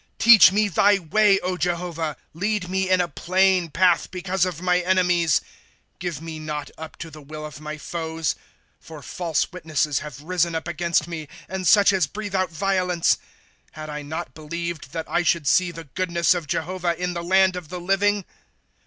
^' Teach me thy way, O Jehovah ; Lead me in a plain path, because of my enemies. ^^ Grive me not up to the will of my foes ; For false witnesses have risen up against me, And such as breathe out violence. ^^ Had I not believed that I should see the goodness of Jehovah, In the land of the living